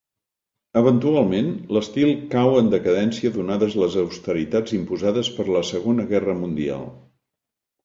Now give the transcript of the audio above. Eventualment, l'estil cau en decadència donades les austeritats imposades per la Segona Guerra mundial.